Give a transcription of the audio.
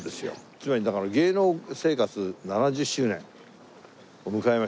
つまりだから芸能生活７０周年を迎えました方をですね